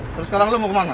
terus sekarang lo mau kemana